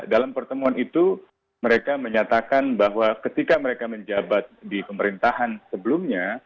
dalam pertemuan itu mereka menyatakan bahwa ketika mereka menjabat di pemerintahan sebelumnya